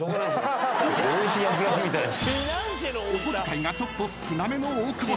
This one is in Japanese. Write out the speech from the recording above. ［お小遣いがちょっと少なめの大久保さん］